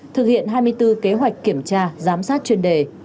thực hiện hai mươi bốn kế hoạch kiểm tra giám sát chuyên đề